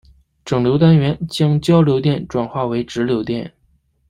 整流单元将交流电转化为直流电。